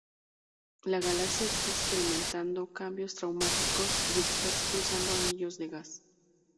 La galaxia está experimentando cambios traumáticos y está expulsando anillos de gas.